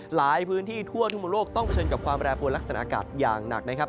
หลายพื้นที่ทั่วทุกมุมโลกต้องเผชิญกับความแปรปวดลักษณะอากาศอย่างหนักนะครับ